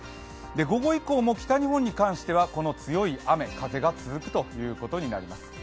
午後以降も北日本に関しては強い雨・風が続くことになります。